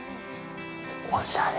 おしゃれ。